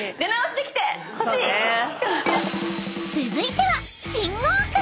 ［続いては］